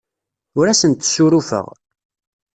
Ur asent-ssurufeɣ.